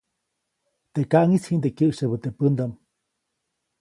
Teʼ kaʼŋis jiʼnde kyäʼsyebä teʼ pändaʼm.